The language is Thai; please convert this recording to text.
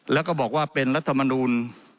แล้วก็บอกว่าเป็นรัฐมนูล